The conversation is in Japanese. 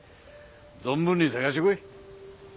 存分に探してこい。